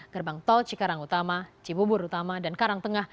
gerbang tol cikarang utama cibubur utama dan karang tengah